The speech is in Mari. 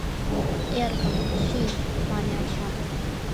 — Эргым, чий, — мане ачам.